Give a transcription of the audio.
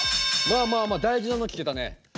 まあまあ大事なの聞けたね。